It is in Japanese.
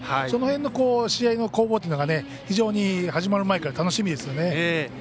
その辺の試合の攻防というのが非常に始まる前から楽しみですよね。